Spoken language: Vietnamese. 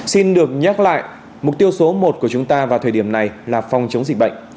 xin được nhắc lại mục tiêu số một của chúng ta vào thời điểm này là phòng chống dịch bệnh